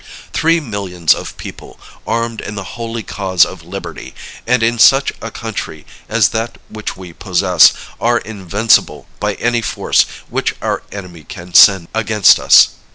Three millions of people, armed in the holy cause of Liberty, and in such a country as that which we possess, are invincible by any force which our enemy can send against us.